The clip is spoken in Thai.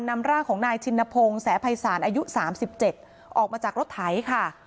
นำร่างของนายชินพงศ์แสภัยศาลอายุ๓๗ออกมาจากรถไถค่ะ